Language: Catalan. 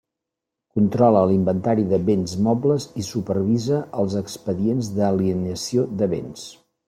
Controla l'inventari de béns mobles i supervisa els expedients d'alienació de béns.